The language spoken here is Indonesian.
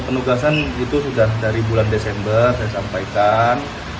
penugasan itu sudah dari bulan desember saya sampaikan